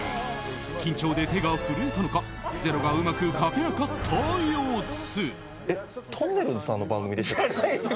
緊張で手が震えたのか０がうまく書けなかった様子。